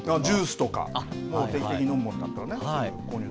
ジュースとか定期的に飲むものとかね。